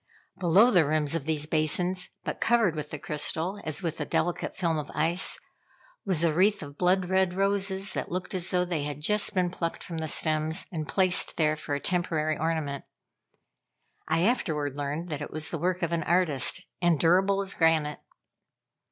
Below the rim of these basins, but covered with the crystal, as with a delicate film of ice, was a wreath of blood red roses, that looked as though they had just been plucked from the stems and placed there for a temporary ornament. I afterward learned that it was the work of an artist, and durable as granite.